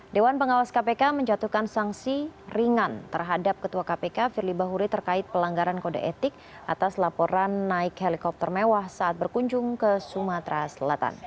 dewan pengawas kpk menjatuhkan sanksi ringan terhadap ketua kpk firly bahuri terkait pelanggaran kode etik atas laporan naik helikopter mewah saat berkunjung ke sumatera selatan